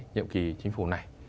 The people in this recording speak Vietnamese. nhiệm kỳ chính phủ này